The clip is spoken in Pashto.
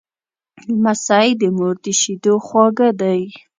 لمسی د مور د شیدو خواږه دی.